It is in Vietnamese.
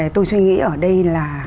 tôi suy nghĩ ở đây là